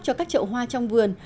cho các trậu hoa trong vườn